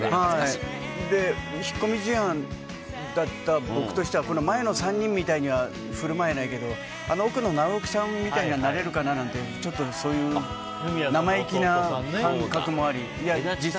引っ込み思案だった僕としては前の３人みたいには振る舞えないけどあの奥の尚之さんみたいにはなれるかなとちょっとそういう生意気な感覚もあり。